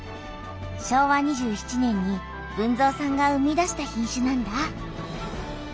昭和２７年に豊造さんが生み出した品種なんだ。